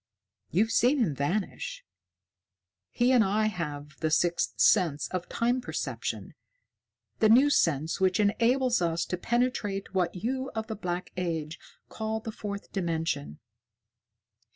You've seen him vanish. He and I have the sixth sense of Time Perception the new sense which enables us to penetrate what you of the Black Age call the Fourth Dimension.